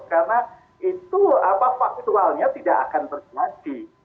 karena itu apa faktualnya tidak akan berkemasih